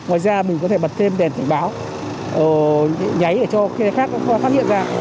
ngoài ra mình có thể bật thêm đèn thảnh báo nháy để cho người khác phát hiện ra